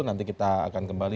nanti kita akan kembali